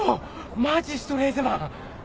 マジシュトレーゼマン！？